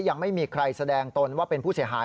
ยังไม่มีใครแสดงตนว่าเป็นผู้เสียหาย